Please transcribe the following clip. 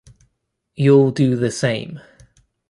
You'll do the same.